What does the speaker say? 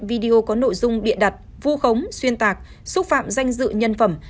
video có nội dung bịa đặt vu khống xuyên tạc xúc phạm danh dự nhân phẩm